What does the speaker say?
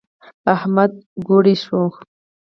احمد ګوړۍ شو.